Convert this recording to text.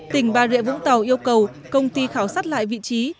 tỉnh bà rịa vũng tàu yêu cầu công ty khảo sát lại vị trí